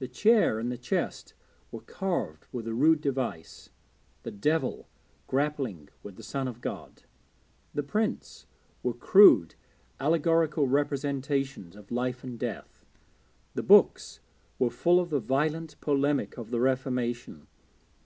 The chair and the chest were carved with a rude device the Devil grappling with the Son of God. The prints were crude allegorical representations of Life and Death. The books were full of the violent polemic of the Reformation.